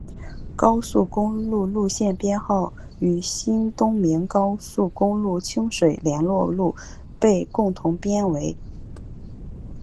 高速公路路线编号与新东名高速公路清水联络路被共同编为。